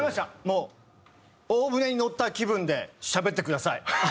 もう大船に乗った気分でしゃべってください。